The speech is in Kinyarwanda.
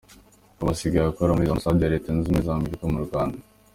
Ubu asigaye akora muri Ambasade ya Leta Zunze Ubumwe za Amerika mu Rwanda.